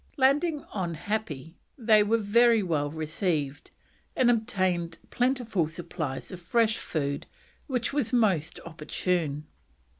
Landing on Happi they were very well received, and obtained plentiful supplies of fresh food, which was most opportune.